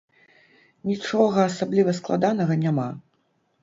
Нічога асабліва складанага няма.